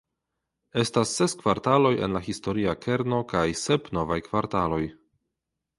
Estas ses kvartaloj en la historia kerno kaj sep novaj kvartaloj.